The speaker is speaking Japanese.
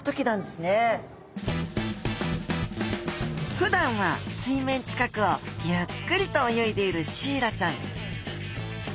ふだんは水面近くをゆっくりと泳いでいるシイラちゃん。